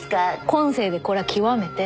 今世でこれは極めて。